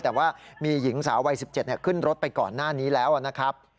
แต่ว่ามีหญิงสาววัย๑๗ขึ้นรถไปก่อนหน้านี้แล้วนะครับ